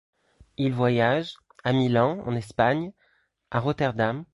Il voyage, à Milan, en Espagne, à Rotterdam.